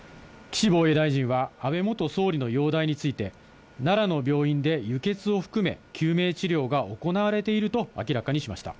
岸防衛大臣は、安倍元総理の容体について、奈良の病院で、輸血を含め、救命治療が行われていると明らかにしました。